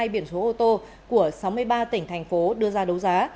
một trăm năm mươi ba một trăm linh hai biển số ô tô của sáu mươi ba tỉnh thành phố đưa ra đấu giá